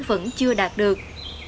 vẫn chưa đạt được